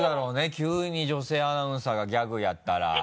急に女性アナウンサーがギャグやったら。